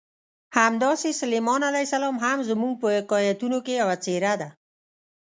همداسې سلیمان علیه السلام هم زموږ په حکایتونو کې یوه څېره ده.